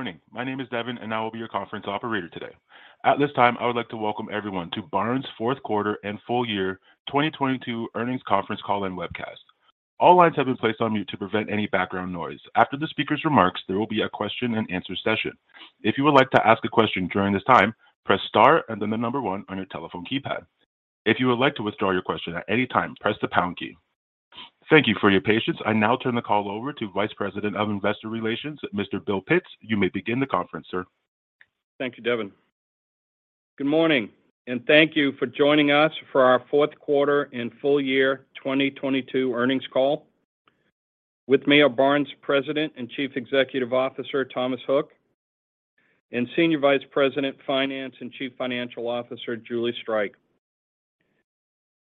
Good morning. My name is Devin, and I will be your conference operator today. At this time, I would like to welcome everyone to Barnes' fourth quarter and full year 2022 earnings conference call and webcast. All lines have been placed on mute to prevent any background noise. After the speaker's remarks, there will be a question and answer session. If you would like to ask a question during this time, press star one on your telephone keypad. If you would like to withdraw your question at any time, press the pound key. Thank you for your patience. I now turn the call over to Vice President of Investor Relations, Mr. Bill Pitts. You may begin the conference, sir. Thank you, Devin. Good morning, thank you for joining us for our fourth quarter and full year 2022 earnings call. With me are Barnes President and Chief Executive Officer, Thomas Hook, and Senior Vice President, Finance and Chief Financial Officer, Julie Streich.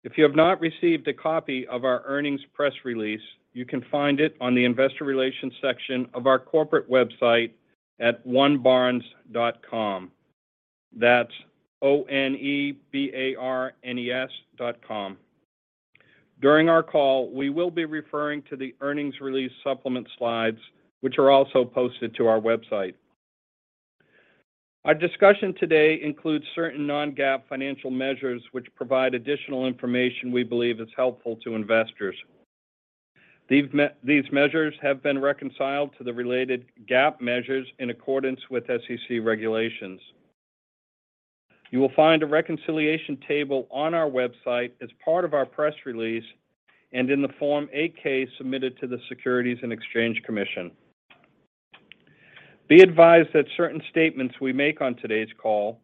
If you have not received a copy of our earnings press release, you can find it on the investor relations section of our corporate website at onebarnes.com. That's O-N-E-B-A-R-N-E-S dot com. During our call, we will be referring to the earnings release supplement slides, which are also posted to our website. Our discussion today includes certain non-GAAP financial measures which provide additional information we believe is helpful to investors. These measures have been reconciled to the related GAAP measures in accordance with SEC regulations. You will find a reconciliation table on our website as part of our press release and in the Form 8-K submitted to the Securities and Exchange Commission. Be advised that certain statements we make on today's call,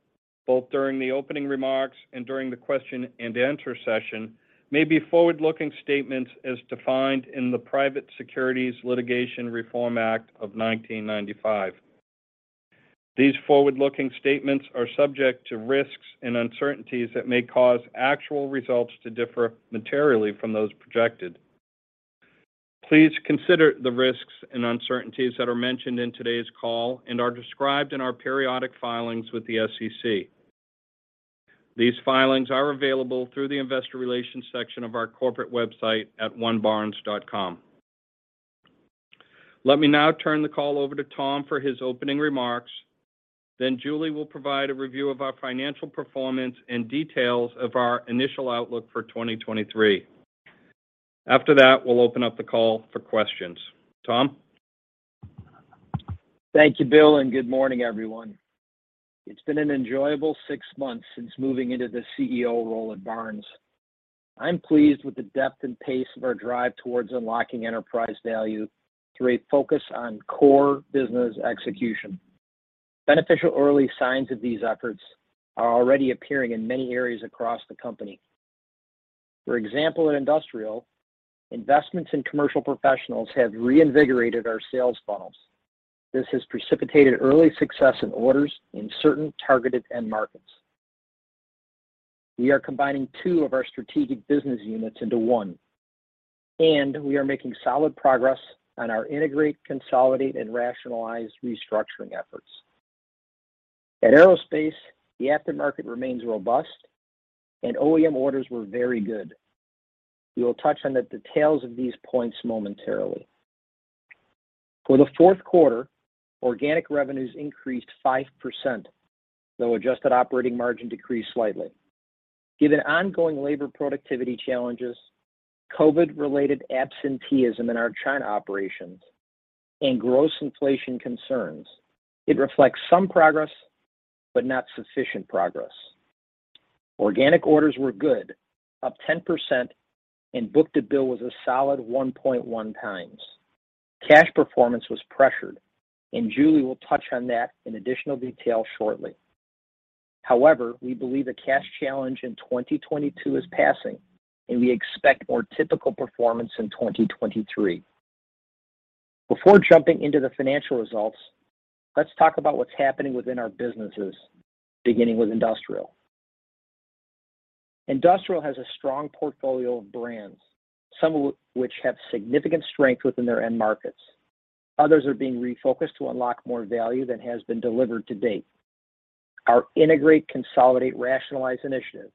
both during the opening remarks and during the question and answer session, may be forward-looking statements as defined in the Private Securities Litigation Reform Act of 1995. These forward-looking statements are subject to risks and uncertainties that may cause actual results to differ materially from those projected. Please consider the risks and uncertainties that are mentioned in today's call and are described in our periodic filings with the SEC. These filings are available through the investor relations section of our corporate website at onebarnes.com. Let me now turn the call over to Tom for his opening remarks. Julie will provide a review of our financial performance and details of our initial outlook for 2023. After that, we'll open up the call for questions. Tom? Thank you, Bill. Good morning, everyone. It's been an enjoyable six months since moving into the CEO role at Barnes. I'm pleased with the depth and pace of our drive towards unlocking enterprise value through a focus on core business execution. Beneficial early signs of these efforts are already appearing in many areas across the company. For example, in Industrial, investments in commercial professionals have reinvigorated our sales funnels. This has precipitated early success in orders in certain targeted end markets. We are combining two of our strategic business units into one, and we are making solid progress on our integrate, consolidate, and rationalize restructuring efforts. At Aerospace, the aftermarket remains robust and OEM orders were very good. We will touch on the details of these points momentarily. For the fourth quarter, organic revenues increased 5%, though adjusted operating margin decreased slightly. Given ongoing labor productivity challenges, COVID-related absenteeism in our China operations, and gross inflation concerns, it reflects some progress, but not sufficient progress. Organic orders were good, up 10%. Book-to-bill was a solid 1.1 times. Cash performance was pressured. Julie will touch on that in additional detail shortly. However, we believe the cash challenge in 2022 is passing, and we expect more typical performance in 2023. Before jumping into the financial results, let's talk about what's happening within our businesses, beginning with Industrial. Industrial has a strong portfolio of brands, some which have significant strength within their end markets. Others are being refocused to unlock more value than has been delivered to date. Our integrate, consolidate, rationalize initiative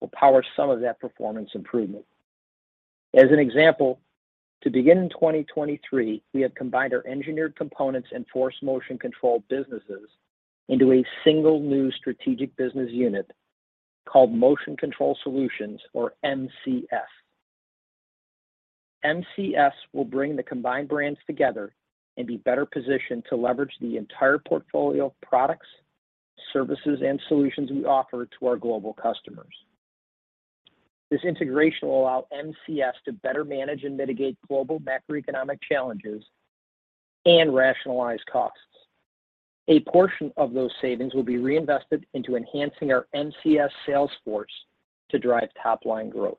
will power some of that performance improvement. As an example, to begin in 2023, we have combined our Engineered Components and Force & Motion Control businesses into a single new strategic business unit called Motion Control Solutions, or MCS. MCS will bring the combined brands together and be better positioned to leverage the entire portfolio of products, services, and solutions we offer to our global customers. This integration will allow MCS to better manage and mitigate global macroeconomic challenges and rationalize costs. A portion of those savings will be reinvested into enhancing our MCS sales force to drive top line growth.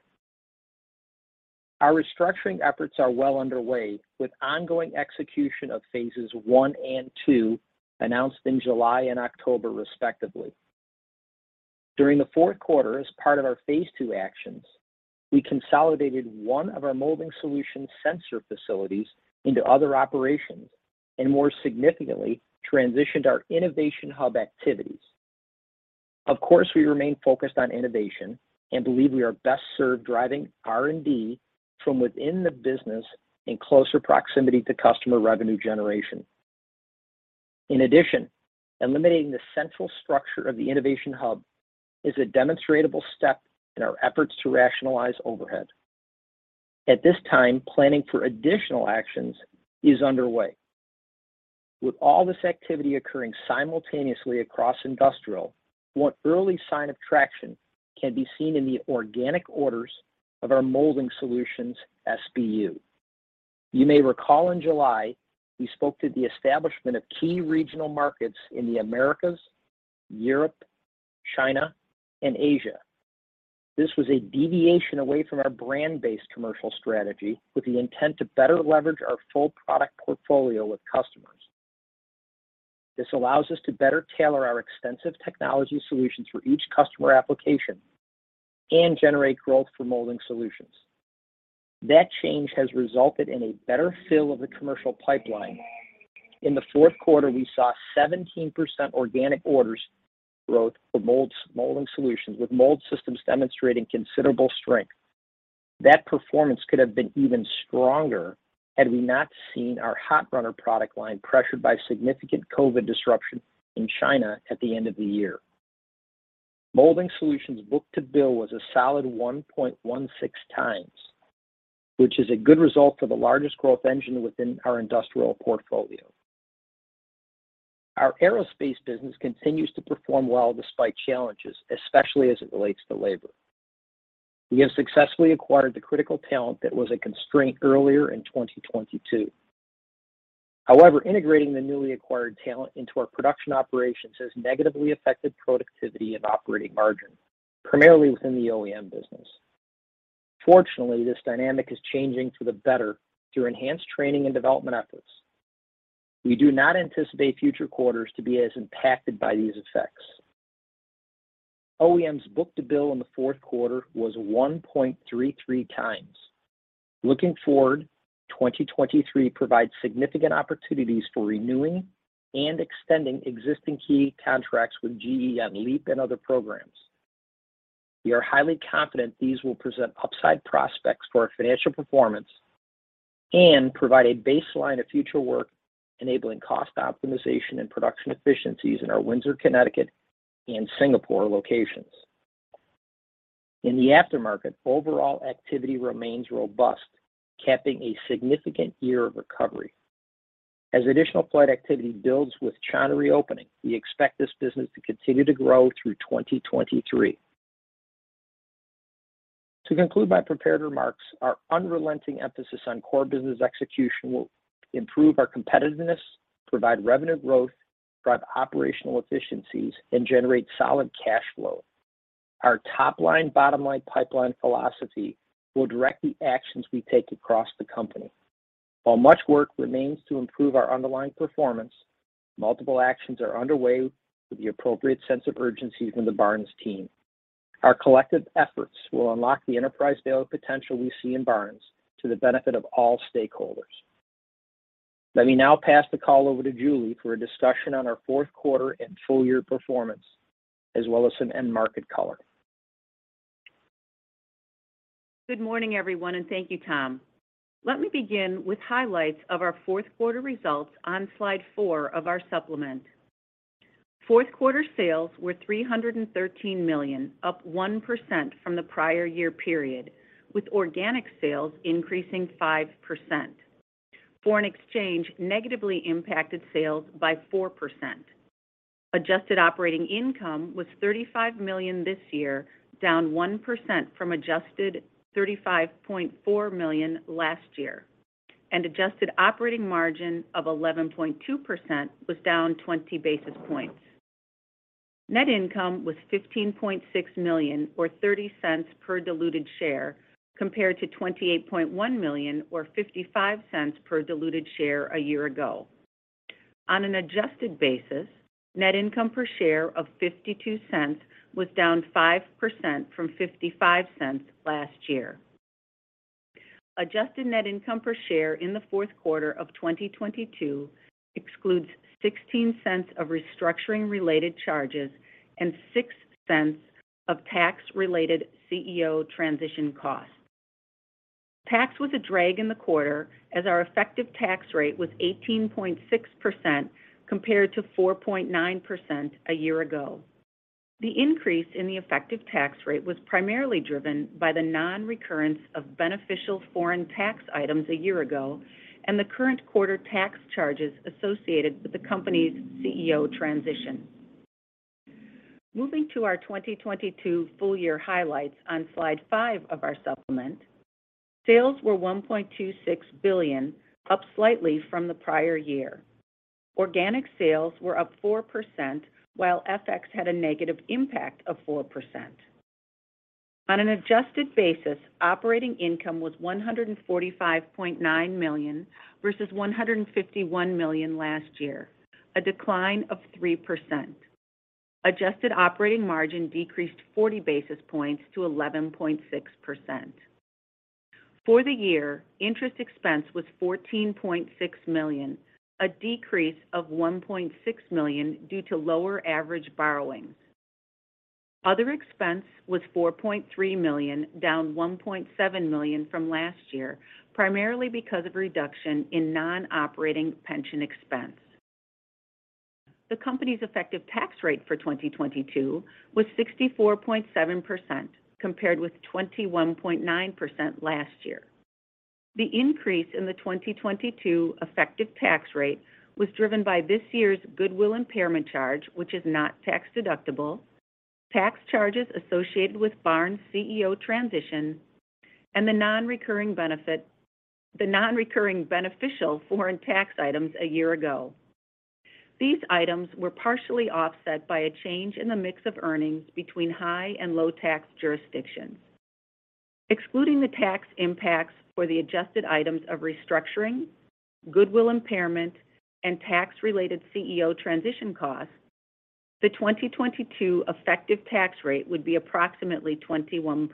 Our restructuring efforts are well underway with ongoing execution of phases one and two, announced in July and October, respectively. During the fourth quarter, as part of our phase two actions, we consolidated one of our Molding Solutions sensor facilities into other operations, and more significantly, transitioned our Innovation Hub activities. Of course, we remain focused on innovation and believe we are best served driving R&D from within the business in closer proximity to customer revenue generation. Eliminating the central structure of the Innovation Hub is a demonstrable step in our efforts to rationalize overhead. At this time, planning for additional actions is underway. All this activity occurring simultaneously across Industrial, one early sign of traction can be seen in the organic orders of our Molding Solutions SBU. You may recall in July, we spoke to the establishment of key regional markets in the Americas, Europe, China, and Asia. This was a deviation away from our brand-based commercial strategy with the intent to better leverage our full product portfolio with customers. This allows us to better tailor our extensive technology solutions for each customer application and generate growth for Molding Solutions. That change has resulted in a better fill of the commercial pipeline. In the fourth quarter, we saw 17% organic orders growth for Molding Solutions, with mold systems demonstrating considerable strength. That performance could have been even stronger had we not seen our hot runner product line pressured by significant COVID disruption in China at the end of the year. Molding Solutions book-to-bill was a solid 1.16x, which is a good result for the largest growth engine within our industrial portfolio. Our aerospace business continues to perform well despite challenges, especially as it relates to labor. We have successfully acquired the critical talent that was a constraint earlier in 2022. Integrating the newly acquired talent into our production operations has negatively affected productivity and operating margin, primarily within the OEM business. This dynamic is changing for the better through enhanced training and development efforts. We do not anticipate future quarters to be as impacted by these effects. OEMs book-to-bill in the fourth quarter was 1.33x. Looking forward, 2023 provides significant opportunities for renewing and extending existing key contracts with GE on LEAP and other programs. We are highly confident these will present upside prospects for our financial performance and provide a baseline of future work enabling cost optimization and production efficiencies in our Windsor, Connecticut, and Singapore locations. In the aftermarket, overall activity remains robust, capping a significant year of recovery. As additional flight activity builds with China reopening, we expect this business to continue to grow through 2023. To conclude my prepared remarks, our unrelenting emphasis on core business execution will improve our competitiveness, provide revenue growth, drive operational efficiencies, and generate solid cash flow. Our top line, bottom line pipeline philosophy will direct the actions we take across the company. While much work remains to improve our underlying performance, multiple actions are underway with the appropriate sense of urgency from the Barnes team. Our collective efforts will unlock the enterprise value potential we see in Barnes to the benefit of all stakeholders. Let me now pass the call over to Julie for a discussion on our fourth quarter and full year performance, as well as some end market color. Good morning, everyone, and thank you, Tom. Let me begin with highlights of our fourth quarter results on slide four of our supplement. Fourth quarter sales were $313 million, up 1% from the prior year period, with organic sales increasing 5%. Foreign exchange negatively impacted sales by 4%. Adjusted operating income was $35 million this year, down 1% from adjusted $35.4 million last year. Adjusted operating margin of 11.2% was down 20 basis points. Net income was $15.6 million or $0.30 per diluted share compared to $28.1 million or $0.55 per diluted share a year ago. On an adjusted basis, net income per share of $0.52 was down 5% from $0.55 last year. Adjusted net income per share in the fourth quarter of 2022 excludes $0.16 of restructuring related charges and $0.06 of tax related CEO transition costs. Tax was a drag in the quarter as our effective tax rate was 18.6% compared to 4.9% a year ago. The increase in the effective tax rate was primarily driven by the non-recurrence of beneficial foreign tax items a year ago and the current quarter tax charges associated with the company's CEO transition. Moving to our 2022 full year highlights on slide five of our supplement, sales were $1.26 billion, up slightly from the prior year. Organic sales were up 4%, while FX had a negative impact of 4%. On an adjusted basis, operating income was $145.9 million versus $151 million last year, a decline of 3%. Adjusted operating margin decreased 40 basis points to 11.6%. For the year, interest expense was $14.6 million, a decrease of $1.6 million due to lower average borrowings. Other expense was $4.3 million, down $1.7 million from last year, primarily because of reduction in non-operating pension expense. The company's effective tax rate for 2022 was 64.7%, compared with 21.9% last year. The increase in the 2022 effective tax rate was driven by this year's goodwill impairment charge, which is not tax deductible, tax charges associated with Barnes CEO transition, and the non-recurring beneficial foreign tax items a year ago. These items were partially offset by a change in the mix of earnings between high and low tax jurisdictions. Excluding the tax impacts for the adjusted items of restructuring, goodwill impairment, and tax-related CEO transition costs, the 2022 effective tax rate would be approximately 21%.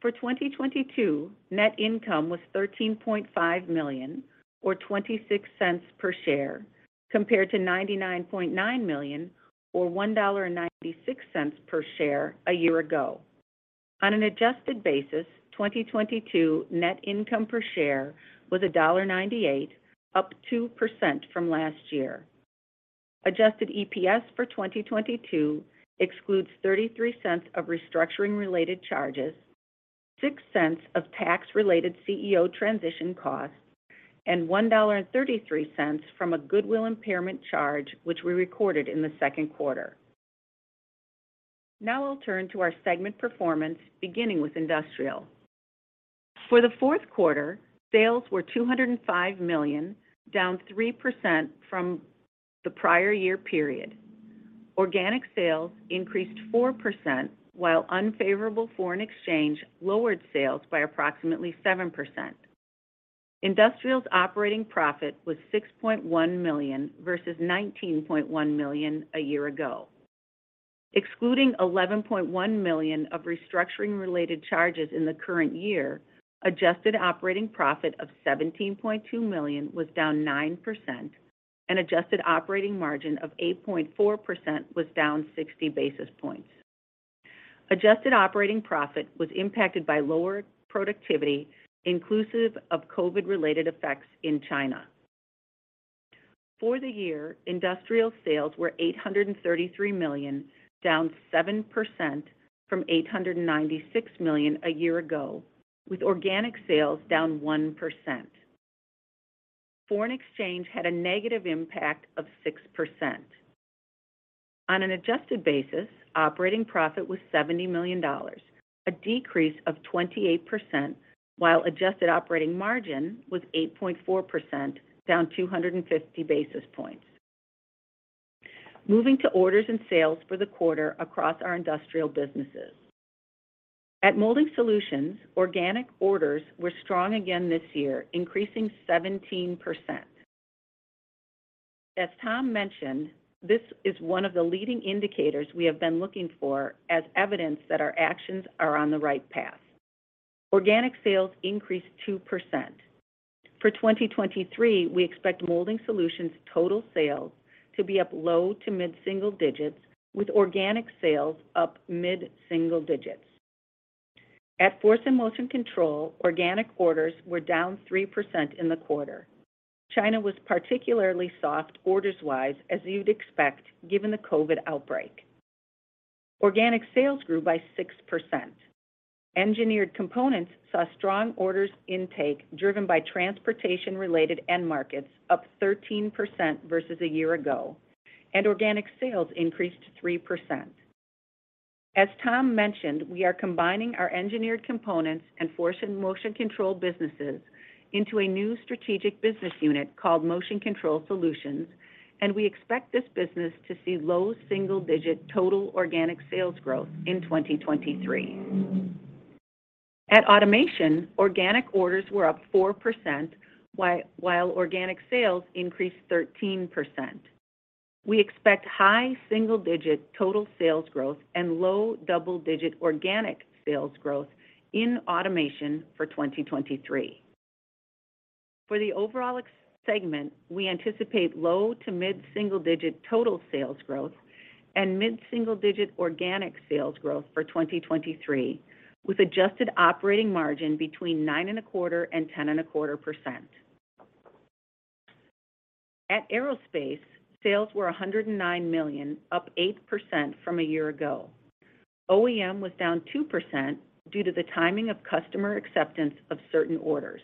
For 2022, net income was $13.5 million, or $0.26 per share, compared to $99.9 million, or $1.96 per share a year ago. On an adjusted basis, 2022 net income per share was $1.98, up 2% from last year. Adjusted EPS for 2022 excludes $0.33 of restructuring related charges, $0.06 of tax-related CEO transition costs, and $1.33 from a goodwill impairment charge, which we recorded in the second quarter. I'll turn to our segment performance, beginning with Industrial. For the fourth quarter, sales were $205 million, down 3% from the prior year period. Organic sales increased 4%, while unfavorable foreign exchange lowered sales by approximately 7%. Industrial's operating profit was $6.1 million versus $19.1 million a year ago. Excluding $11.1 million of restructuring related charges in the current year, adjusted operating profit of $17.2 million was down 9%, and adjusted operating margin of 8.4% was down 60 basis points. Adjusted operating profit was impacted by lower productivity, inclusive of COVID-related effects in China. For the year, Industrial sales were $833 million, down 7% from $896 million a year ago, with organic sales down 1%. Foreign exchange had a negative impact of 6%. On an adjusted basis, operating profit was $70 million, a decrease of 28%, while adjusted operating margin was 8.4%, down 250 basis points. Moving to orders and sales for the quarter across our Industrial businesses. At Molding Solutions, organic orders were strong again this year, increasing 17%. As Tom mentioned, this is one of the leading indicators we have been looking for as evidence that our actions are on the right path. Organic sales increased 2%. For 2023, we expect Molding Solutions' total sales to be up low to mid-single digits, with organic sales up mid-single digits. At Force and Motion Control, organic orders were down 3% in the quarter. China was particularly soft orders-wise, as you'd expect, given the COVID outbreak. Organic sales grew by 6%. Engineered Components saw strong orders intake driven by transportation-related end markets, up 13% versus a year ago, and organic sales increased 3%. As Tom mentioned, we are combining our Engineered Components and Force and Motion Control businesses into a new strategic business unit called Motion Control Solutions, and we expect this business to see low single-digit total organic sales growth in 2023. At Automation, organic orders were up 4%, while organic sales increased 13%. We expect high single-digit total sales growth and low double-digit organic sales growth in Automation for 2023. For the overall segment, we anticipate low to mid-single-digit total sales growth and mid-single-digit organic sales growth for 2023, with adjusted operating margin between nine and a quarter and ten and a quarter percent. At Aerospace, sales were $109 million, up 8% from a year ago. OEM was down 2% due to the timing of customer acceptance of certain orders.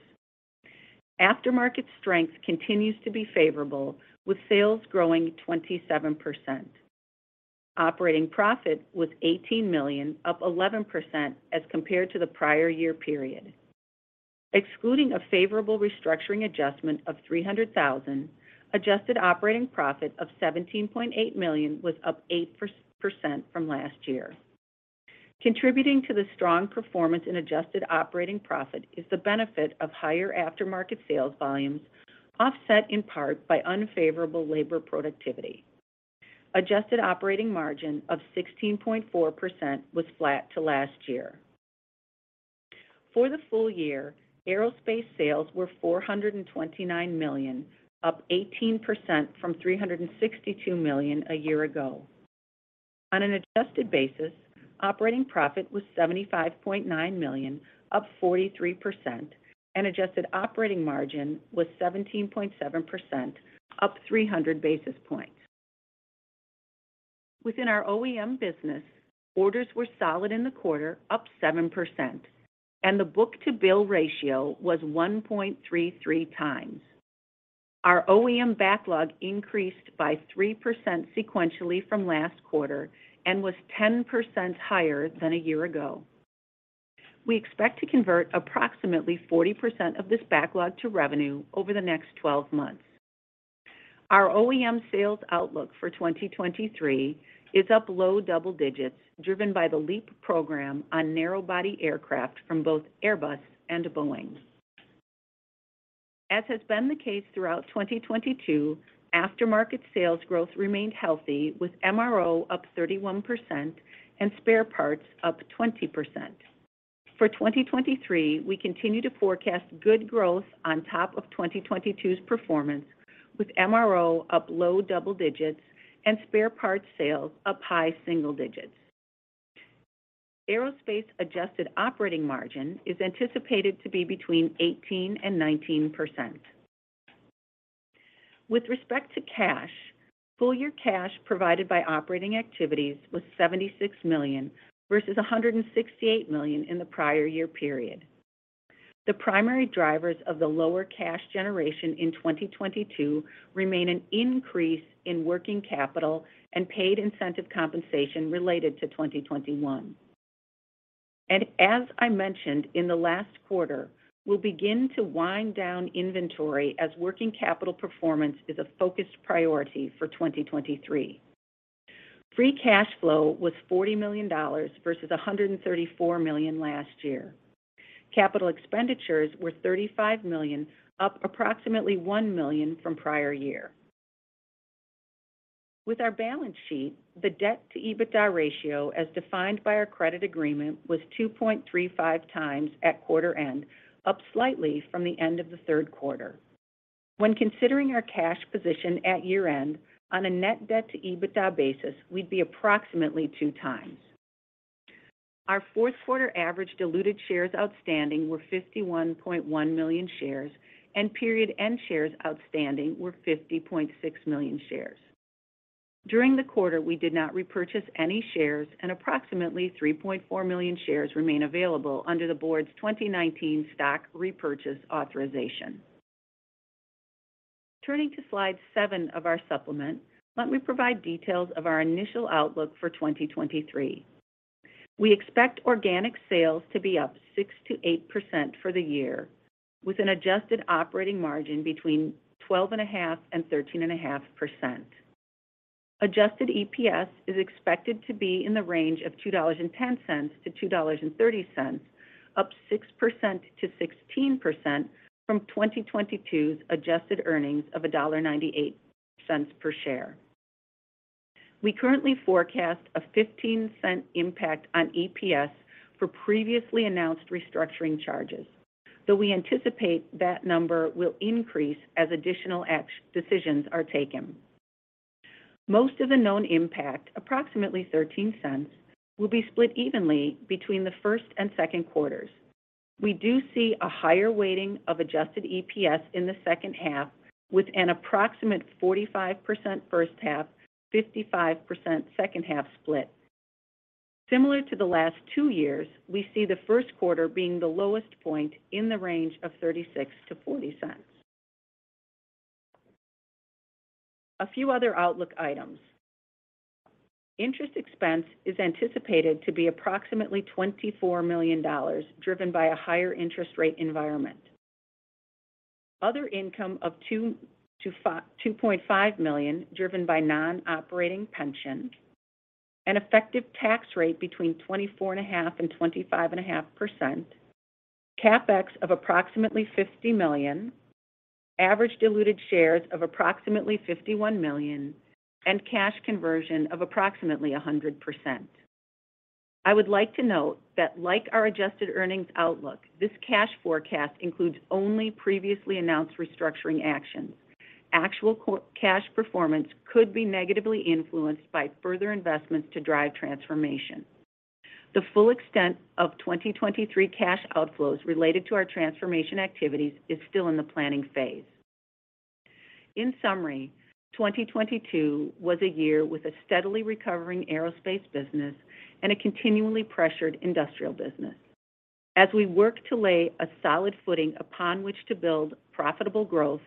Aftermarket strength continues to be favorable, with sales growing 27%. Operating profit was $18 million, up 11% as compared to the prior year period. Excluding a favorable restructuring adjustment of $300,000, adjusted operating profit of $17.8 million was up 8% from last year. Contributing to the strong performance in adjusted operating profit is the benefit of higher aftermarket sales volumes, offset in part by unfavorable labor productivity. Adjusted operating margin of 16.4% was flat to last year. For the full year, aerospace sales were $429 million, up 18% from $362 million a year ago. On an adjusted basis, operating profit was $75.9 million, up 43%, and adjusted operating margin was 17.7%, up 300 basis points. Within our OEM business, orders were solid in the quarter, up 7%, and the book-to-bill ratio was 1.33x. Our OEM backlog increased by 3% sequentially from last quarter and was 10% higher than a year ago. We expect to convert approximately 40% of this backlog to revenue over the next 12 months. Our OEM sales outlook for 2023 is up low double digits, driven by the LEAP program on narrow-body aircraft from both Airbus and Boeing. As has been the case throughout 2022, aftermarket sales growth remained healthy, with MRO up 31% and spare parts up 20%. For 2023, we continue to forecast good growth on top of 2022's performance, with MRO up low double digits and spare parts sales up high single digits. Aerospace adjusted operating margin is anticipated to be between 18% and 19%. With respect to cash, full year cash provided by operating activities was $76 million, versus $168 million in the prior year period. The primary drivers of the lower cash generation in 2022 remain an increase in working capital and paid incentive compensation related to 2021. As I mentioned in the last quarter, we'll begin to wind down inventory as working capital performance is a focused priority for 2023. Free cash flow was $40 million versus $134 million last year. Capital expenditures were $35 million, up approximately $1 million from prior year. With our balance sheet, the debt to EBITDA ratio, as defined by our credit agreement, was 2.35x at quarter end, up slightly from the end of the third quarter. When considering our cash position at year-end, on a net debt to EBITDA basis, we'd be approximately 2x. Our fourth quarter average diluted shares outstanding were 51.1 million shares, and period end shares outstanding were 50.6 million shares. During the quarter, we did not repurchase any shares, and approximately 3.4 million shares remain available under the Board's 2019 stock repurchase authorization. Turning to slide seven of our supplement, let me provide details of our initial outlook for 2023. We expect organic sales to be up 6%-8% for the year, with an adjusted operating margin between 12.5% and 13.5%. Adjusted EPS is expected to be in the range of $2.10 to $2.30, up 6% to 16% from 2022's adjusted earnings of $1.98 per share. We currently forecast a $0.15 impact on EPS for previously announced restructuring charges, though we anticipate that number will increase as additional decisions are taken. Most of the known impact, approximately $0.13, will be split evenly between the first and second quarters. We do see a higher weighting of adjusted EPS in the second half, with an approximate 45% first half, 55% second half split. Similar to the last two years, we see the first quarter being the lowest point in the range of $0.36-$0.40. A few other outlook items. Interest expense is anticipated to be approximately $24 million, driven by a higher interest rate environment. Other income of $2.5 million, driven by non-operating pensions. An effective tax rate between 24.5% and 25.5%. CapEx of approximately $50 million. Average diluted shares of approximately 51 million, and cash conversion of approximately 100%. I would like to note that like our adjusted earnings outlook, this cash forecast includes only previously announced restructuring actions. Actual cash performance could be negatively influenced by further investments to drive transformation. The full extent of 2023 cash outflows related to our transformation activities is still in the planning phase. In summary, 2022 was a year with a steadily recovering aerospace business and a continually pressured industrial business. As we work to lay a solid footing upon which to build profitable growth,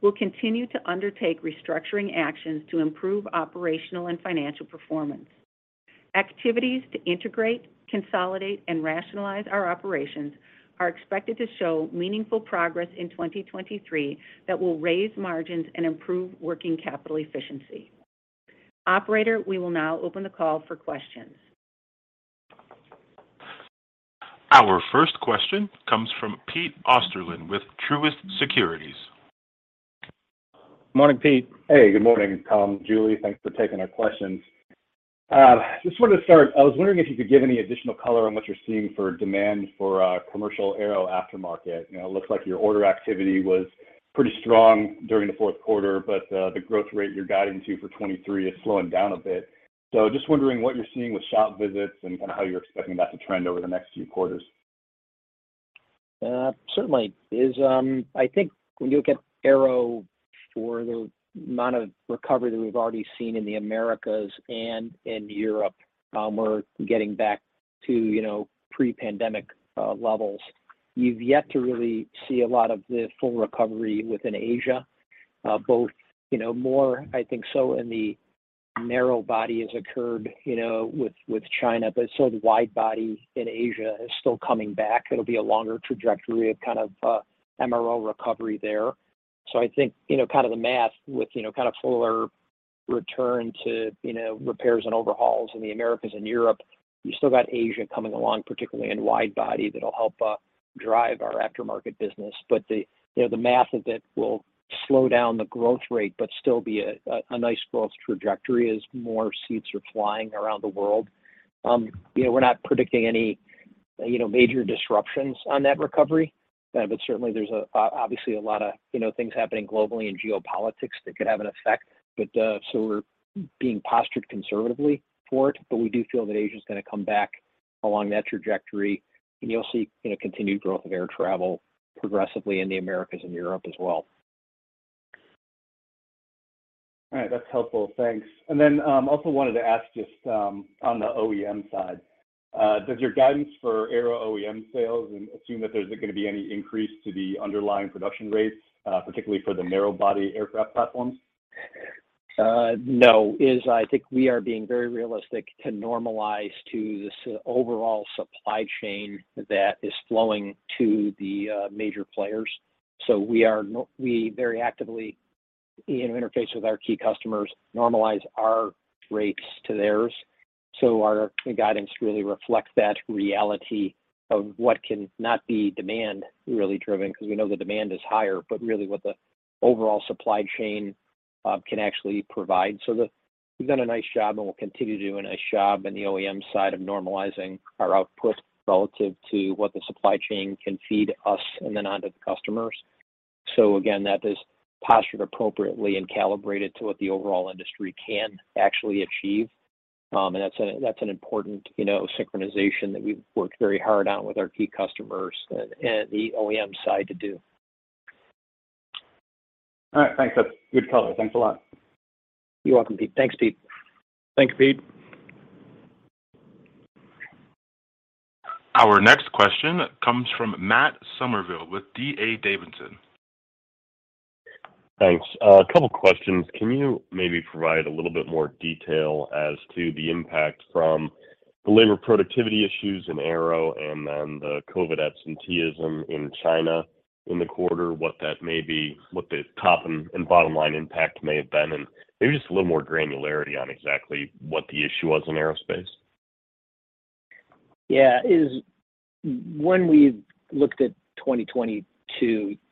we'll continue to undertake restructuring actions to improve operational and financial performance. Activities to integrate, consolidate, and rationalize our operations are expected to show meaningful progress in 2023 that will raise margins and improve working capital efficiency. Operator, we will now open the call for questions. Our first question comes from Peter Osterland with Truist Securities. Morning, Pete. Hey, good morning, Tom, Julie, thanks for taking our questions. Just wanted to start, I was wondering if you could give any additional color on what you're seeing for demand for commercial aero aftermarket. You know, it looks like your order activity was pretty strong during the fourth quarter, but the growth rate you're guiding to for 2023 is slowing down a bit. Just wondering what you're seeing with shop visits and kind of how you're expecting that to trend over the next few quarters. Certainly. I think when you look at Aero for the amount of recovery that we've already seen in the Americas and in Europe, we're getting back to, you know, pre-pandemic levels. You've yet to really see a lot of the full recovery within Asia, both, you know, more, I think so in the narrow-body has occurred, you know, with China, the wide-body in Asia is still coming back. It'll be a longer trajectory of kind of MRO recovery there. I think, you know, kind of the math with, you know, kind of fuller return to, you know, repairs and overhauls in the Americas and Europe, you still got Asia coming along, particularly in wide-body that'll help drive our aftermarket business. But the, you know, the math of it will slow down the growth rate but still be a nice growth trajectory as more seats are flying around the world. You know, we're not predicting any, you know, major disruptions on that recovery. Certainly there's, obviously a lot of, you know, things happening globally in geopolitics that could have an effect. We're being postured conservatively for it, but we do feel that Asia's gonna come back along that trajectory. You'll see, you know, continued growth of air travel progressively in the Americas and Europe as well. All right. That's helpful. Thanks. Then, also wanted to ask just, on the OEM side, does your guidance for aero OEM sales assume that there's not gonna be any increase to the underlying production rates, particularly for the narrow-body aircraft platforms? No. I think we are being very realistic to normalize to this overall supply chain that is flowing to the major players. We are very actively, you know, interface with our key customers, normalize our rates to theirs. Our, the guidance really reflects that reality of what can not be demand really driven, because we know the demand is higher, but really what the overall supply chain can actually provide. We've done a nice job, and we'll continue doing a nice job in the OEM side of normalizing our output relative to what the supply chain can feed us and then onto the customers. Again, that is postured appropriately and calibrated to what the overall industry can actually achieve. That's a, that's an important, you know, synchronization that we've worked very hard on with our key customers and the OEM side to do. All right. Thanks. That's good color. Thanks a lot. You're welcome, Pete. Thanks, Pete. Thank you, Pete. Our next question comes from Matt Summerville with D.A. Davidson. Thanks. A couple questions. Can you maybe provide a little bit more detail as to the impact from the labor productivity issues in aero and then the COVID absenteeism in China in the quarter, what that may be, what the top and bottom line impact may have been? Maybe just a little more granularity on exactly what the issue was in aerospace? Yeah. When we looked at 2022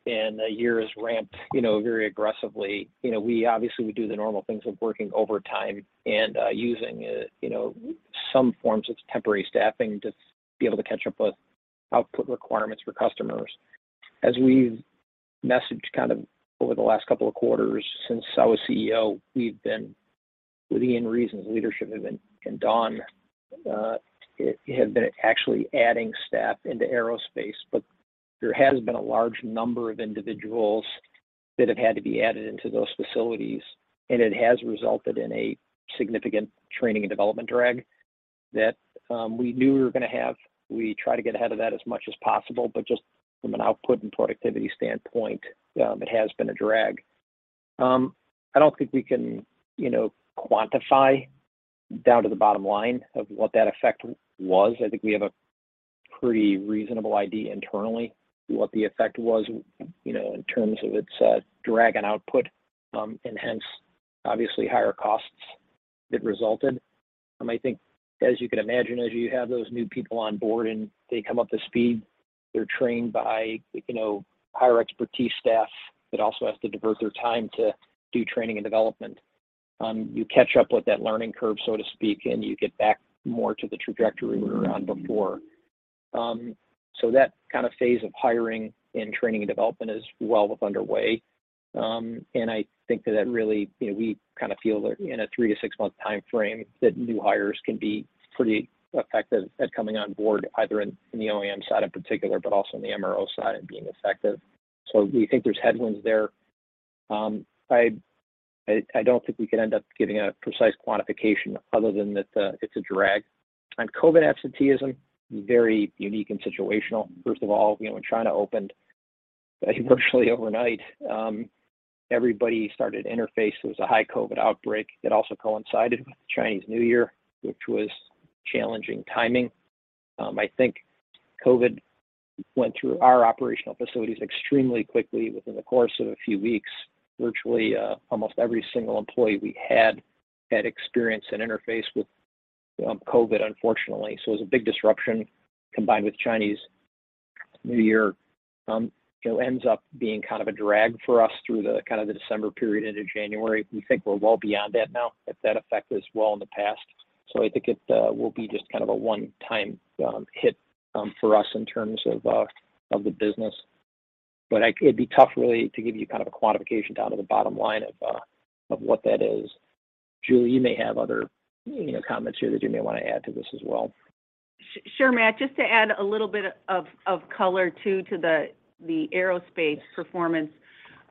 and the year has ramped, you know, very aggressively, you know, we obviously we do the normal things of working overtime and using, you know, some forms of temporary staffing to be able to catch up with output requirements for customers. As we've messaged kind of over the last couple of quarters since I was CEO, we've been, with Ian Reason's leadership and Don, it had been actually adding staff into aerospace, but there has been a large number of individuals that have had to be added into those facilities, and it has resulted in a significant training and development drag that we knew we were gonna have. We try to get ahead of that as much as possible, just from an output and productivity standpoint, it has been a drag. I don't think we can, you know, quantify down to the bottom line of what that effect was. I think we have a pretty reasonable idea internally what the effect was, you know, in terms of its drag on output, and hence, obviously higher costs that resulted. I think as you can imagine, as you have those new people on board and they come up to speed, they're trained by, you know, higher expertise staff that also has to divert their time to do training and development. You catch up with that learning curve, so to speak, and you get back more to the trajectory we were on before. That kind of phase of hiring and training and development is well with underway. And I think that that really, you know, we kind of feel that in a three to six-month timeframe, that new hires can be pretty effective at coming on board, either in the OEM side in particular, but also on the MRO side and being effective. We think there's headwinds there. I don't think we could end up giving a precise quantification other than that, it's a drag. On COVID absenteeism, very unique and situational. First of all, you know, when China opened, virtually overnight, everybody started interface. There was a high COVID outbreak that also coincided with the Chinese New Year, which was challenging timing. I think COVID went through our operational facilities extremely quickly within the course of a few weeks. Virtually, almost every single employee we had had experience and interfaced with COVID, unfortunately. It was a big disruption combined with Chinese New Year. You know, ends up being kind of a drag for us through the kind of the December period into January. We think we're well beyond that now, that that effect is well in the past. I think it will be just kind of a one-time hit for us in terms of the business. It'd be tough really to give you kind of a quantification down to the bottom line of what that is. Julie, you may have other, you know, comments here that you may wanna add to this as well. Sure, Matt. Just to add a little bit of color too to the aerospace performance.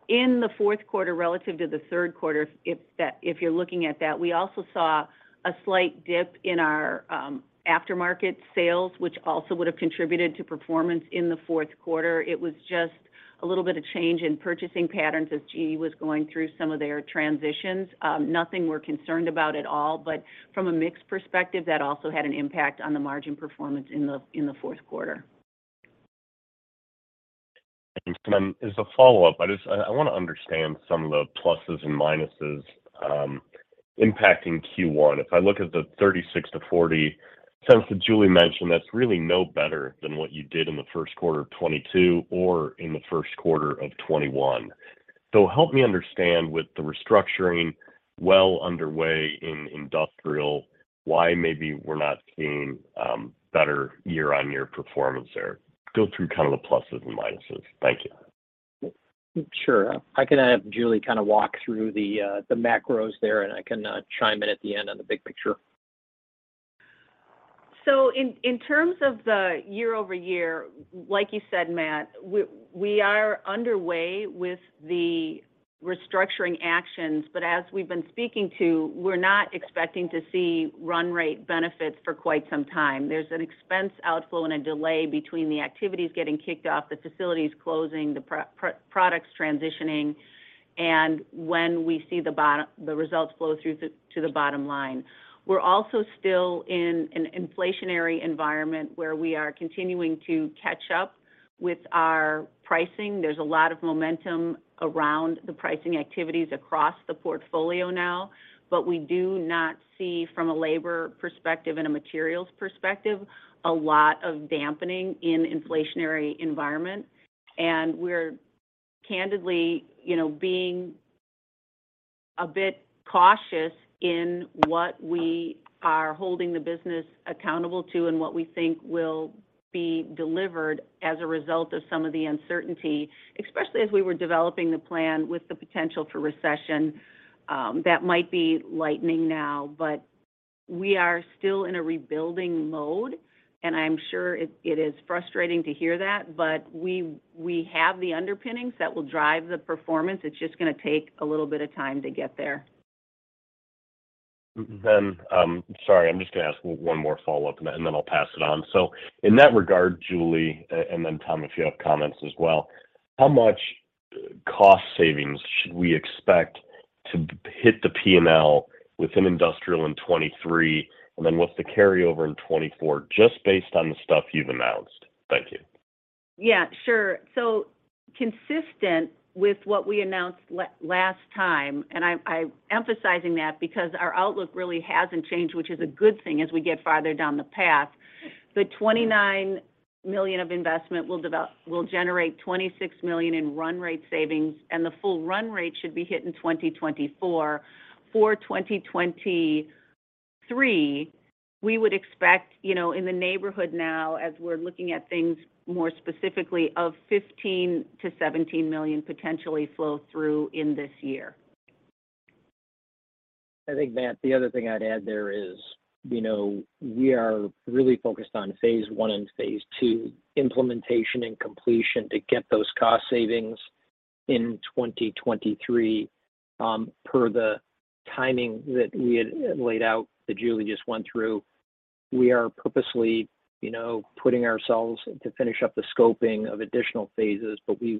In the fourth quarter relative to the third quarter, if you're looking at that, we also saw a slight dip in our aftermarket sales, which also would have contributed to performance in the fourth quarter. It was just a little bit of change in purchasing patterns as GE was going through some of their transitions. Nothing we're concerned about at all, but from a mix perspective, that also had an impact on the margin performance in the fourth quarter. As a follow-up, I want to understand some of the pluses and minuses impacting Q1. If I look at the $0.36-$0.40 that Julie mentioned, that's really no better than what you did in the first quarter of 2022 or in the first quarter of 2021. Help me understand, with the restructuring well underway in Industrial, why maybe we're not seeing better year-on-year performance there. Go through kind of the pluses and minuses. Thank you. Sure. I can have Julie kind of walk through the macros there, and I can chime in at the end on the big picture. In terms of the year-over-year, like you said, Matt, we are underway with the restructuring actions. As we've been speaking to, we're not expecting to see run rate benefits for quite some time. There's an expense outflow and a delay between the activities getting kicked off, the facilities closing, the products transitioning, and when we see the results flow through to the bottom line. We're also still in an inflationary environment where we are continuing to catch up with our pricing. There's a lot of momentum around the pricing activities across the portfolio now, we do not see from a labor perspective and a materials perspective, a lot of dampening in inflationary environment. We're candidly, you know, being a bit cautious in what we are holding the business accountable to and what we think will be delivered as a result of some of the uncertainty, especially as we were developing the plan with the potential for recession, that might be lightning now. We are still in a rebuilding mode, and I'm sure it is frustrating to hear that. We, we have the underpinnings that will drive the performance. It's just gonna take a little bit of time to get there. Sorry, I'm just gonna ask one more follow-up and then I'll pass it on. In that regard, Julie, and then Tom, if you have comments as well, how much cost savings should we expect to hit the P&L within Industrial in 2023? What's the carryover in 2024, just based on the stuff you've announced? Thank you. Yeah, sure. Consistent with what we announced last time, I'm emphasizing that because our outlook really hasn't changed, which is a good thing as we get farther down the path. The $29 million of investment will generate $26 million in run rate savings. The full run rate should be hit in 2024. For 2023, we would expect, you know, in the neighborhood now, as we're looking at things more specifically, of $15 million-$17 million potentially flow through in this year. I think, Matt, the other thing I'd add there is, you know, we are really focused on phase one and phase two implementation and completion to get those cost savings in 2023, per the timing that we had laid out that Julie just went through. We are purposely, you know, putting ourselves to finish up the scoping of additional phases, but we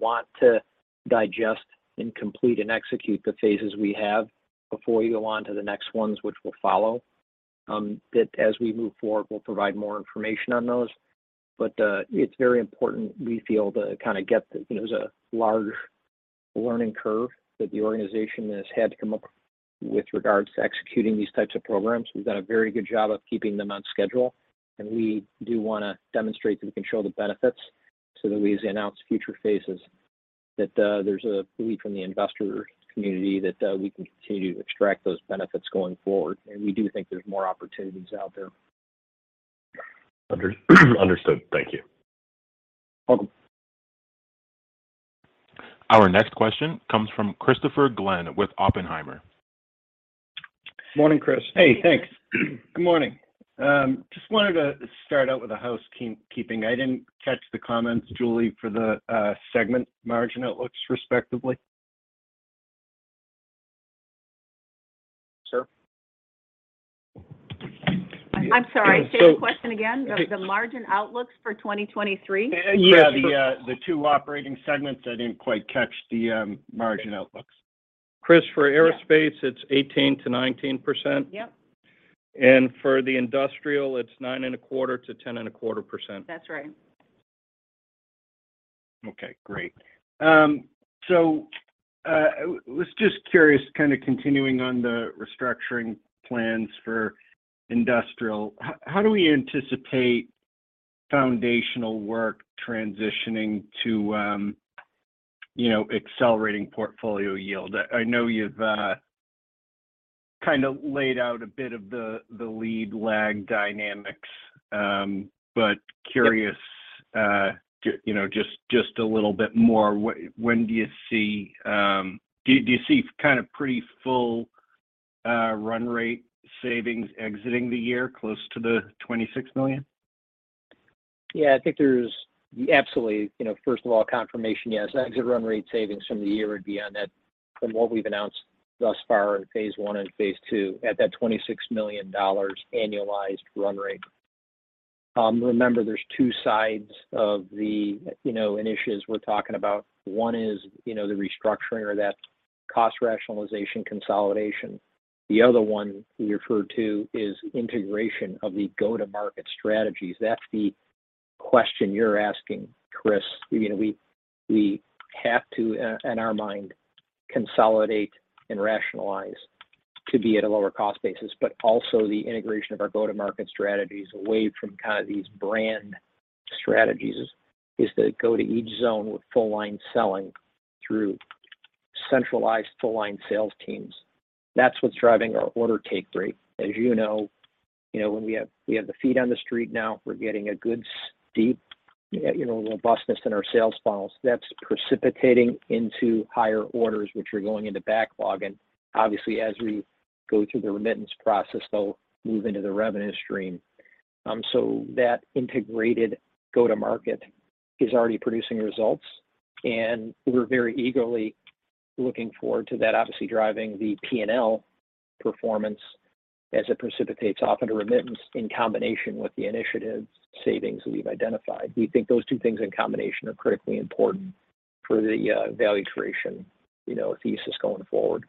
want to digest and complete and execute the phases we have before you go on to the next ones which will follow. That as we move forward, we'll provide more information on those. It's very important, we feel, to kind of get the... You know, there's a large learning curve that the organization has had to come up with regards to executing these types of programs. We've done a very good job of keeping them on schedule, and we do wanna demonstrate that we can show the benefits so that we as we announce future phases, that, there's a belief from the investor community that, we can continue to extract those benefits going forward. We do think there's more opportunities out there. understood. Thank you. Welcome. Our next question comes from Christopher Glynn with Oppenheimer. Morning, Chris. Hey, thanks. Good morning. Just wanted to start out with a housekeeping. I didn't catch the comments, Julie, for the segment margin outlooks respectively. Sir? I'm sorry. So- Say the question again. The margin outlooks for 2023? Yeah. The two operating segments. I didn't quite catch the, margin outlooks. Chris, for aerospace, it's 18%-19%. Yep. For the Industrial, it's 9.25%-10.25%. That's right. Okay, great. I was just curious, kind of continuing on the restructuring plans for industrial. How do we anticipate foundational work transitioning to, you know, accelerating portfolio yield? I know you've kind of laid out a bit of the lead lag dynamics. Curious... Yeah... you know, just a little bit more. When do you see... Do you see kind of pretty full, run rate savings exiting the year close to the $26 million? Yeah, I think there's. Absolutely. You know, first of all, confirmation, yes. Exit run rate savings from the year would be on that from what we've announced thus far in phase one and phase two at that $26 million annualized run rate. Remember there's two sides of the, you know, initiatives we're talking about. One is, you know, the restructuring or that cost rationalization consolidation. The other one we referred to is integration of the go-to-market strategies. That's the question you're asking, Chris. You know, we have to, in our mind, consolidate and rationalize to be at a lower cost basis. Also the integration of our go-to-market strategies away from kind of these brand strategies is to go to each zone with full line selling through centralized full line sales teams. That's what's driving our order take rate. As you know, you know, when we have the feet on the street now, we're getting a good deep, you know, robustness in our sales funnels. That's precipitating into higher orders, which are going into backlog. Obviously, as we go through the remittance process, they'll move into the revenue stream. That integrated go-to-market is already producing results, and we're very eagerly looking forward to that, obviously, driving the P&L performance as it precipitates off into remittance in combination with the initiatives savings we've identified. We think those two things in combination are critically important for the value creation, you know, thesis going forward.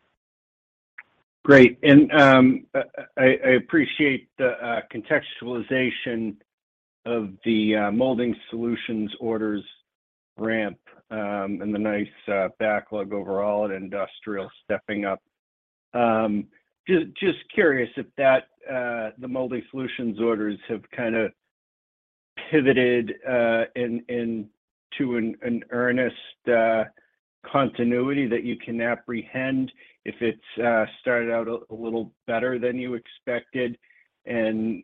Great. I appreciate the contextualization of the Molding Solutions orders ramp and the nice backlog overall at Industrial stepping up. Just curious if that the Molding Solutions orders have kind of pivoted in to an earnest continuity that you can apprehend. If it's started out a little better than you expected and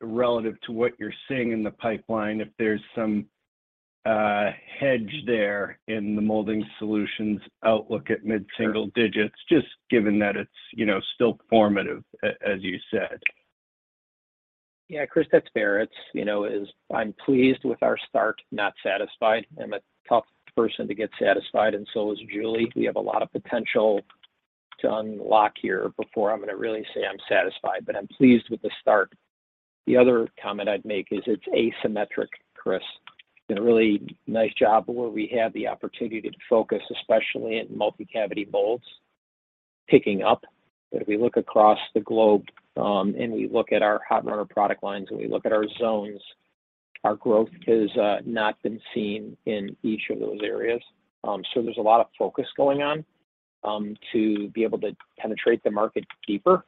relative to what you're seeing in the pipeline, if there's some hedge there in the Molding Solutions outlook at mid-single digits, just given that it's, you know, still formative, as you said. Yeah, Chris, that's fair. It's, you know, is I'm pleased with our start, not satisfied. I'm a tough person to get satisfied, and so is Julie. We have a lot of potential to unlock here before I'm gonna really say I'm satisfied, but I'm pleased with the start. The other comment I'd make is it's asymmetric, Chris. Done a really nice job where we have the opportunity to focus, especially in multi-cavity molds picking up. If we look across the globe, and we look at our hot runner product lines and we look at our zones, our growth has not been seen in each of those areas. There's a lot of focus going on, to be able to penetrate the market deeper.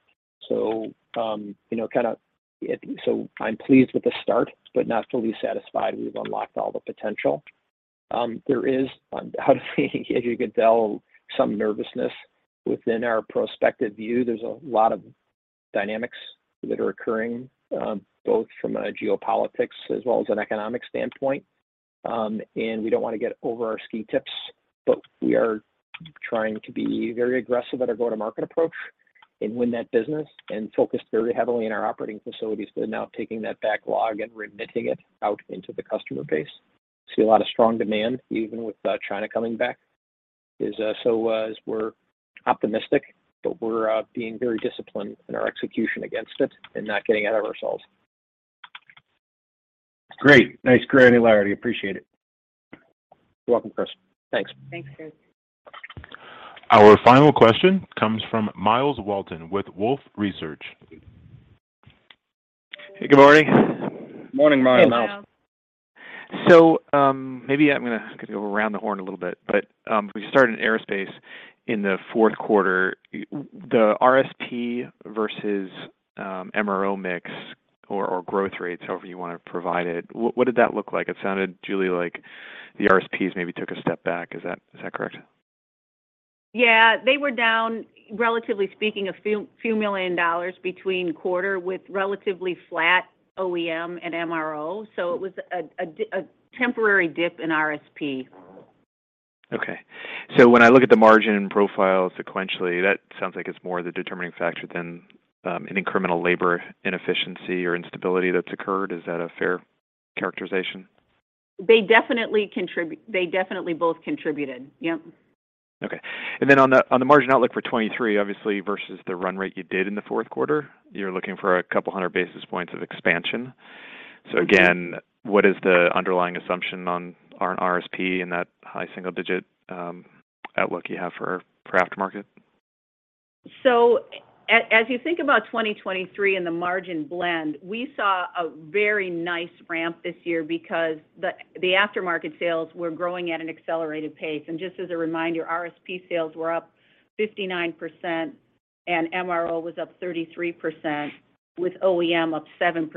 I'm pleased with the start, but not fully satisfied we've unlocked all the potential. There is, how do we as you can tell, some nervousness within our prospective view. There's a lot of dynamics that are occurring, both from a geopolitics as well as an economic standpoint. We don't wanna get over our ski tips, but we are trying to be very aggressive at our go-to-market approach and win that business and focus very heavily in our operating facilities to now taking that backlog and remitting it out into the customer base. See a lot of strong demand, even with China coming back. We're optimistic, but we're being very disciplined in our execution against it and not getting ahead of ourselves. Great. Nice granularity. Appreciate it. You're welcome, Chris. Thanks. Thanks, Chris. Our final question comes from Myles Walton with Wolfe Research. Hey, good morning. Morning, Myles. Hey, Myles. Maybe I'm gonna go around the horn a little bit, but, we started in aerospace in the fourth quarter. The RSP versus MRO mix or growth rates, however you wanna provide it, what did that look like? It sounded, Julie, like the RSPs maybe took a step back. Is that correct? Yeah. They were down, relatively speaking, a few million dollars between quarter with relatively flat OEM and MRO. It was a temporary dip in RSP. When I look at the margin profile sequentially, that sounds like it's more the determining factor than an incremental labor inefficiency or instability that's occurred. Is that a fair characterization? They definitely both contributed. Yep. On the, on the margin outlook for 2023, obviously, versus the run rate you did in the fourth quarter, you're looking for 200 basis points of expansion. Again, what is the underlying assumption on RSP in that high single-digit outlook you have for aftermarket? As you think about 2023 and the margin blend, we saw a very nice ramp this year because the aftermarket sales were growing at an accelerated pace. Just as a reminder, RSP sales were up 59% and MRO was up 33% with OEM up 7%.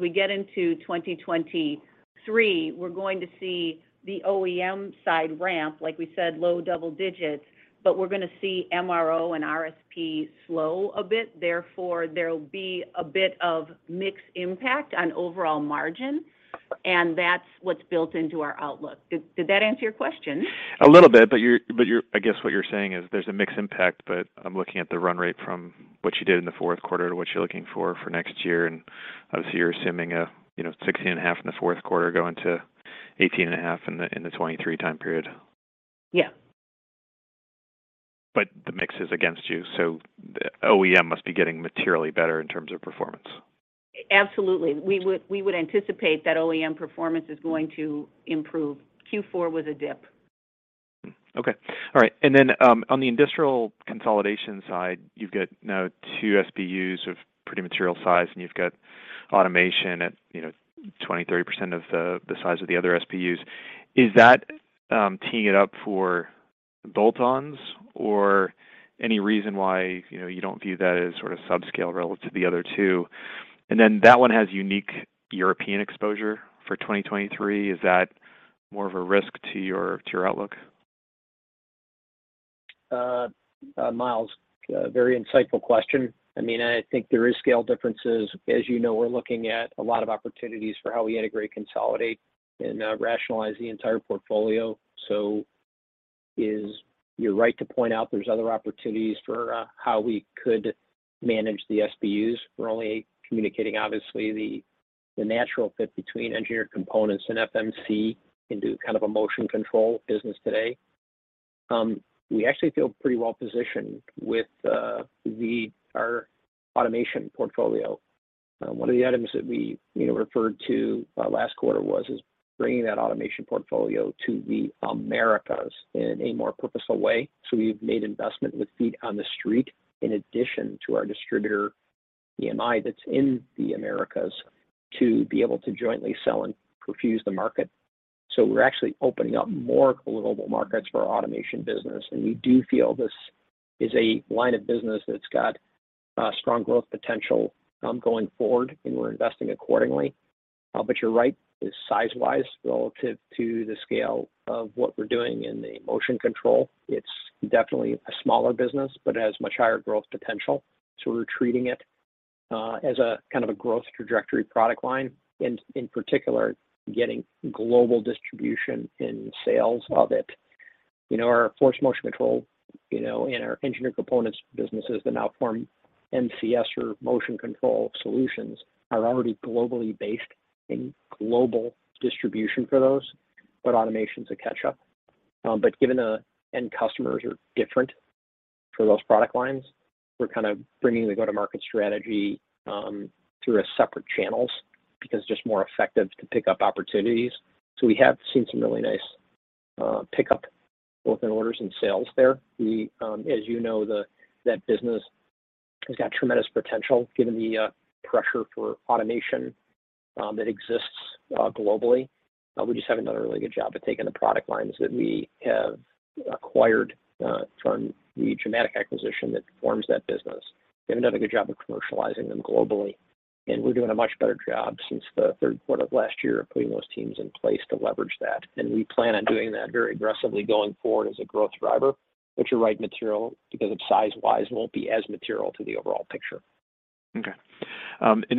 We get into 2023, we're going to see the OEM side ramp, like we said, low double digits, but we're gonna see MRO and RSP slow a bit. Therefore, there'll be a bit of mix impact on overall margin, and that's what's built into our outlook. Did that answer your question? A little bit, but you're I guess what you're saying is there's a mix impact, but I'm looking at the run rate from what you did in the fourth quarter to what you're looking for for next year. Obviously you're assuming a, you know, $16.5 in the fourth quarter going to $18.5 in the, in the 2023 time period. Yeah. The mix is against you, so the OEM must be getting materially better in terms of performance. Absolutely. We would anticipate that OEM performance is going to improve. Q4 was a dip. Okay. All right. Then, on the Industrial consolidation side, you've got now two SBUs of pretty material size, and you've got Automation at, you know, 20%, 30% of the size of the other SBUs. Is that teeing it up for bolt-ons or any reason why, you know, you don't view that as sort of subscale relative to the other two? Then that one has unique European exposure for 2023. Is that more of a risk to your outlook? Myles, very insightful question. I mean, I think there is scale differences. As you know, we're looking at a lot of opportunities for how we integrate, consolidate, and rationalize the entire portfolio. You're right to point out there's other opportunities for how we could manage the SBUs. We're only communicating obviously the natural fit between Engineered Components and FMC into kind of a Motion Control business today. We actually feel pretty well positioned with our Automation portfolio. One of the items that we, you know, referred to last quarter was bringing that Automation portfolio to the Americas in a more purposeful way. We've made investment with feet on the street in addition to our distributor, EMI, that's in the Americas to be able to jointly sell and perfuse the market. We're actually opening up more global markets for our Automation business, and we do feel this is a line of business that's got strong growth potential, going forward, and we're investing accordingly. You're right. Size-wise, relative to the scale of what we're doing in the Motion Control, it's definitely a smaller business, but it has much higher growth potential, so we're treating it as a kind of a growth trajectory product line, and in particular, getting global distribution in sales of it. You know, our Force & Motion Control, you know, and our Engineered Components businesses that now form MCS or Motion Control Solutions are already globally based in global distribution for those. Automation's a catch-up. Given the end customers are different for those product lines, we're kind of bringing the go-to-market strategy through a separate channels because it's just more effective to pick up opportunities. We have seen some really nice pickup both in orders and sales there. As you know, that business has got tremendous potential given the pressure for Automation that exists globally. We just haven't done a really good job of taking the product lines that we have acquired from the Gimatic acquisition that forms that business. We haven't done a good job of commercializing them globally, and we're doing a much better job since the third quarter of last year of putting those teams in place to leverage that. We plan on doing that very aggressively going forward as a growth driver. You're right, material, because of size-wise, won't be as material to the overall picture. Okay.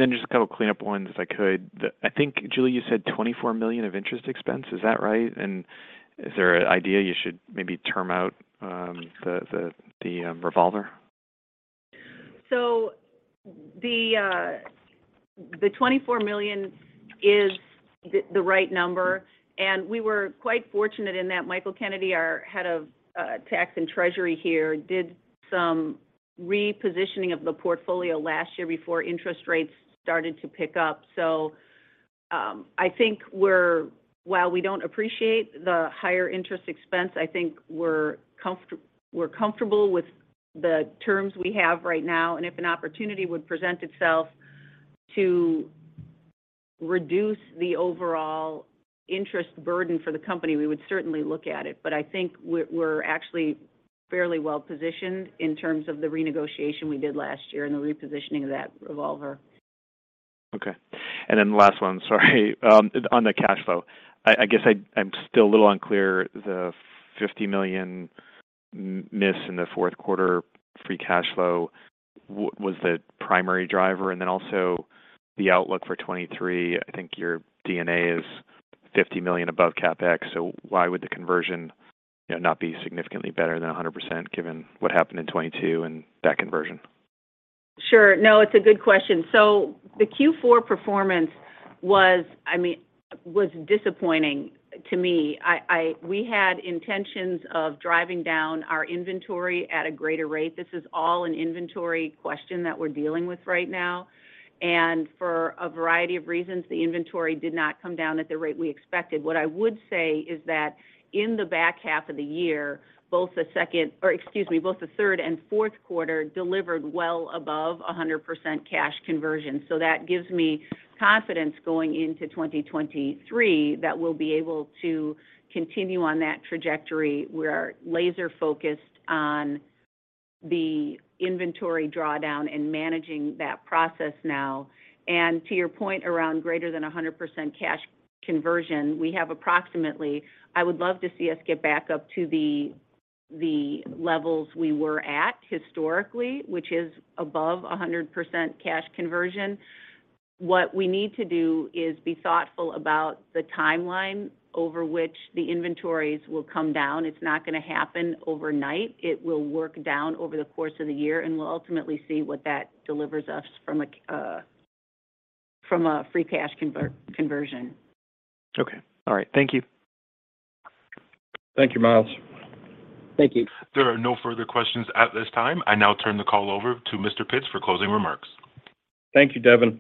Just a couple clean up ones if I could. I think, Julie, you said $24 million of interest expense. Is that right? Is there an idea you should maybe term out the revolver? The $24 million is the right number. We were quite fortunate in that Michael Kennedy, our head of tax and treasury here, did some repositioning of the portfolio last year before interest rates started to pick up. I think while we don't appreciate the higher interest expense, I think we're comfortable with the terms we have right now. If an opportunity would present itself to reduce the overall interest burden for the company, we would certainly look at it. I think we're actually fairly well positioned in terms of the renegotiation we did last year and the repositioning of that revolver. Okay. Then the last one, sorry, on the cash flow. I guess I'm still a little unclear. The $50 million miss in the fourth quarter free cash flow was the primary driver, and then also the outlook for 2023, I think your D&A is $50 million above CapEx. Why would the conversion, you know, not be significantly better than 100% given what happened in 2022 and that conversion? Sure. No, it's a good question. The Q4 performance was, I mean, was disappointing to me. We had intentions of driving down our inventory at a greater rate. This is all an inventory question that we're dealing with right now. For a variety of reasons, the inventory did not come down at the rate we expected. I would say is that in the back half of the year, both the third and fourth quarter delivered well above 100% cash conversion. That gives me confidence going into 2023 that we'll be able to continue on that trajectory. We are laser-focused on the inventory drawdown and managing that process now. To your point around greater than 100% cash conversion, we have approximately. I would love to see us get back up to the levels we were at historically, which is above 100% cash conversion. What we need to do is be thoughtful about the timeline over which the inventories will come down. It's not gonna happen overnight. It will work down over the course of the year, and we'll ultimately see what that delivers us from a free cash conversion. Okay. All right. Thank you. Thank you, Myles. Thank you. There are no further questions at this time. I now turn the call over to Mr. Pitts for closing remarks. Thank you, Devin.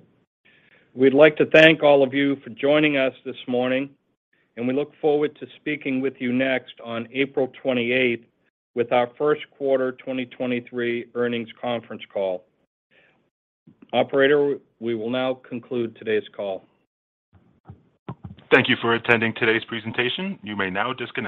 We'd like to thank all of you for joining us this morning, and we look forward to speaking with you next on April 28th with our first quarter 2023 earnings conference call. Operator, we will now conclude today's call. Thank you for attending today's presentation. You may now disconnect.